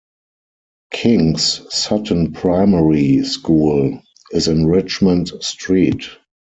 Kings Sutton Primary School is in Richmond Street.